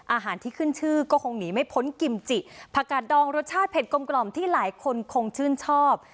อาหารที่ขึ้นชื่อก็คงหนีไม่พ้นกิมจิผักกาดดองรสชาติเผ็ดกลมกล่อมที่หลายคนคงชื่นชอบ